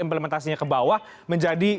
implementasinya ke bawah menjadi